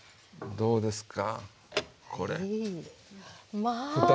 どうですか？